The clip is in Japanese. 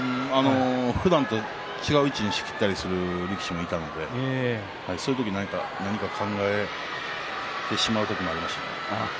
ふだんと違う位置で押しきったりする力士がいたのでそういう時何か考えてしまうことがありました。